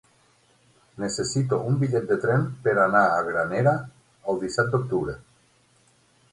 Necessito un bitllet de tren per anar a Granera el disset d'octubre.